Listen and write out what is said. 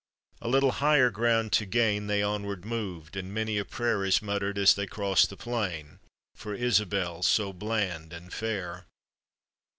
A little higher ground to. gain They onward mov'd, and mnny a prayer Is muttered as they crow the plain, For Isabel so bland and fair.